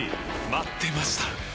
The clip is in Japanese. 待ってました！